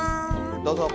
どうぞ。